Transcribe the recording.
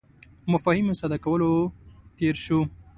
مفاهیمو ساده کولو تېر شو.